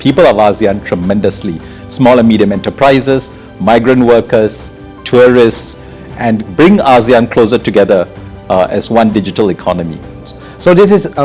pembelajaran di negara negara kecil dan medial pekerja migran turis dan membawa asia lebih dekat bersama sebagai ekonomi digital